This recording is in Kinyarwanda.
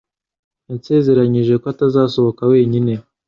Yasezeranyije ko atazasohoka wenyine